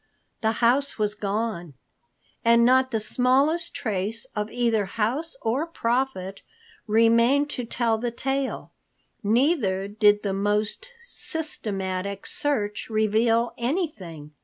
The house was gone, and not the smallest trace of either house or Prophet remained to tell the tale. Neither did the most systematic search reveal anything.